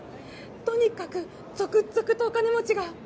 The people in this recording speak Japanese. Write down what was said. とにかく続々とお金持ちが。